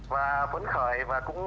và vấn khởi và cũng có